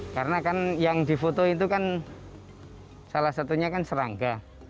karena kan yang difoto itu kan salah satunya kan serangga